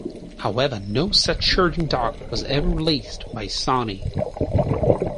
However no such charging dock was ever released by Sony.